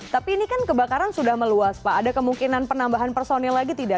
tapi ini kan kebakaran sudah meluas pak ada kemungkinan penambahan personil lagi tidak